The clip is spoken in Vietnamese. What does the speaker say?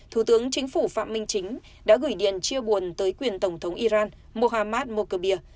thủ tướng chính phủ phạm minh chính đã gửi điện chia buồn tới quyền tổng thống iran mohammad mokhobia